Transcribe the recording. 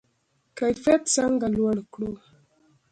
کیفیت څنګه لوړ کړو؟